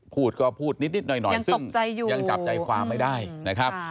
พูดก็พูดนิดหน่อยซึ่งยังจับใจความไม่ได้นะครับ